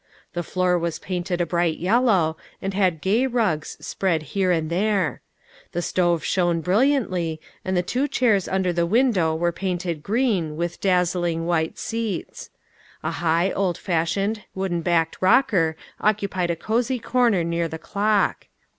The floor was painted a bright yellow, and had gay rugs spread here and there. The stove shone brilliantly, and the A GREAT UNDERTAKING. 87 two chairs under the window were painted green, with dazzling white seats. A high, old fashioned, wooden backed rocker occupied a cosey corner near the clock.